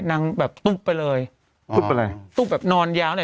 นางแบบตุ๊บไปเลยตุ๊บไปเลยตุ๊บแบบนอนยาวเลย